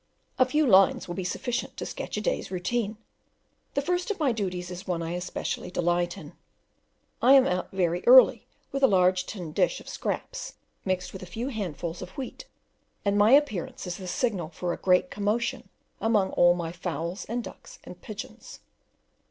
A few lines will be sufficient to sketch a day's routine. The first of my duties is one I especially delight in. I am out very early with a large tin dish of scraps mixed with a few handfuls of wheat, and my appearance is the signal for a great commotion among all my fowls and ducks and pigeons.